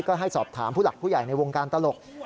ก็ให้สอบถามผู้หลักผู้ใหญ่ในวงการตลก